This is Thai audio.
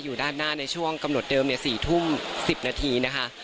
อยู่ด้านหน้าในช่วงกำหนดเดิมเนี้ยสี่ทุ่มสิบนาทีนะคะ